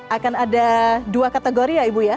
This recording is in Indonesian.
akan ada dua kategori ya ibu ya